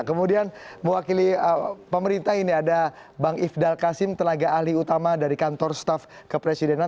kemudian mewakili pemerintah ini ada bang ifdal kasim tenaga ahli utama dari kantor staff kepresidenan